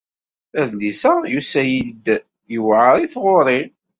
Adlis-a yusa-iyi-d yewɛeṛ i tɣuri.